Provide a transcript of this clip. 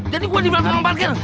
jadi gue dibilang pengen parkir